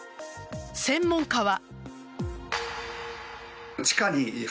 専門家は。